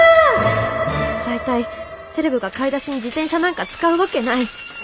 大体セレブが買い出しに自転車なんか使うわけない。